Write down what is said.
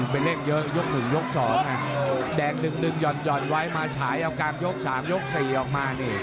เป็นเล่งเยอะยกหนึ่งยกสองแดกนึกหย่อนเอากลางยก๓ยก๔ออกมา